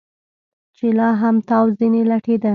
چې لا هم تاو ځنې لټېده.